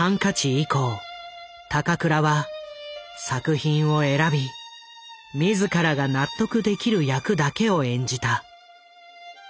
以降高倉は作品を選び自らが納得できる役だけを演じた。